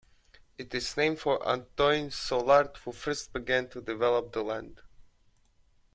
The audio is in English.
It is named for Antoine Soulard, who first began to develop the land.